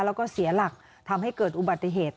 แล้วก็เสียหลักทำให้เกิดอุบัติเหตุ